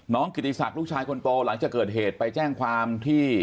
กิติศักดิ์ลูกชายคนโตหลังจากเกิดเหตุไปแจ้งความที่